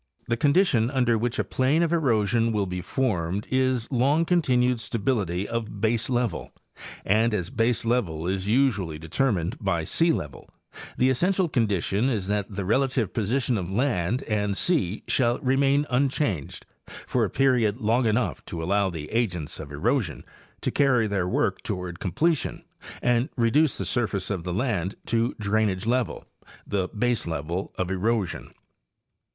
—The condition under which a plain of erosion will be formed is long continued stability of baselevel, and as baselevel is usually determined by sealevel, the essential condition is that the relative position of land and sea shall re main unchanged for a period long enough to allow the agents of erosion to carry their work toward completion and reduce the surface of the land to drainage level, the baselevel of erosion.